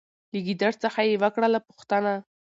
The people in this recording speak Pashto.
له ګیدړ څخه یې وکړله پوښتنه